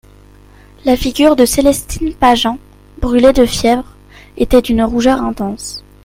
La figure de Célestine Pageant, brûlée de fièvre, était d'une rougeur intense.